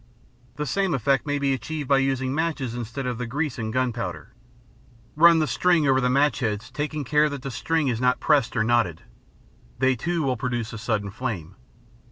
The same effect may be achieved by using matches instead of the grease and gunpowder. Run the string over the match heads, taking care that the string is not pressed or knotted. They too will produce a sudden flame.